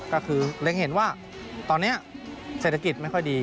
ก็คือเล็งเห็นว่าตอนนี้เศรษฐกิจไม่ค่อยดี